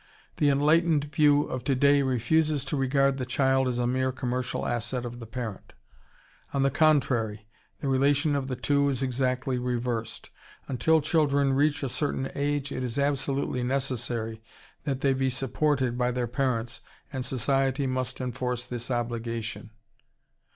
The enlightened view of today refuses to regard the child as a mere commercial asset of the parent. On the contrary, the relation of the two is exactly reversed. Until children reach a certain age it is absolutely necessary that they be supported by their parents, and society must enforce this obligation.